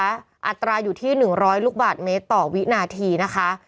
อัตราอยู่ที่๑๐๐ลูกบาทเมตรต่อวินาทีนะคะ